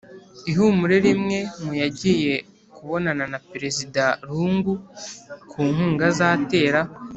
Ihumure rimwe muyagiye kubonana na Perezida Lungu ku nkunga azatera